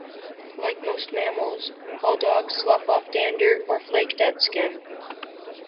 Like most mammals, all dogs slough off dander, or flake dead skin.